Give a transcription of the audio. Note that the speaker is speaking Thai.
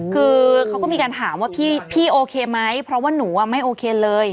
คือเขาก็มีการถามว่าพี่โอเคไหมเพราะว่าหนูไม่โอเคเลย